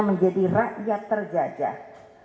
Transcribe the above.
menjadi rakyat terjajah